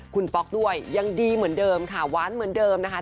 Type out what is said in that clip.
คุณป๊อกด้วยยังดีเหมือนเดิมค่ะหวานเหมือนเดิมนะคะ